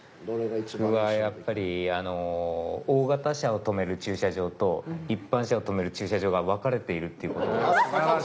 僕はやっぱりあの大型車を止める駐車場と一般車を止める駐車場が分かれているっていう事。